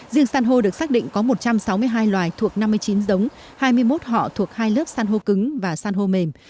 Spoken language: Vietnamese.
riêng san hô được xác định có một trăm sáu mươi hai loài thuộc năm mươi chín giống hai mươi một họ thuộc hai lớp san hô cứng và san hô mềm